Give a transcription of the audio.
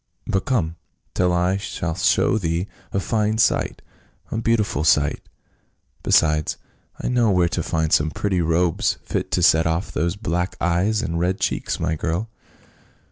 But come, till I shall show thee a fine sight — a beautiful sight. Besides, I know where to find some pretty robes, fit to set off those black eyes and red cheeks, my girl."